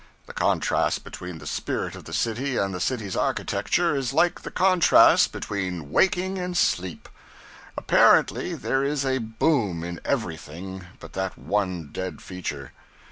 The contrast between the spirit of the city and the city's architecture is like the contrast between waking and sleep. Apparently there is a 'boom' in everything but that one dead feature.